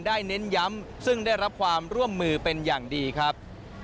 เน้นย้ำซึ่งได้รับความร่วมมือเป็นอย่างดีครับ